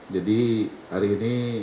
jadi hari ini